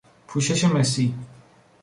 پوشش مسی